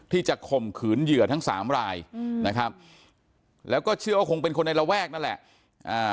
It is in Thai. ข่มขืนเหยื่อทั้งสามรายอืมนะครับแล้วก็เชื่อว่าคงเป็นคนในระแวกนั่นแหละอ่า